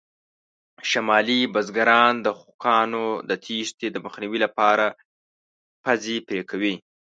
شمالي بزګران د خوکانو د تېښتې د مخنیوي لپاره پزې پرې کوي.